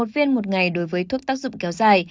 một viên một ngày đối với thuốc tác dụng kéo dài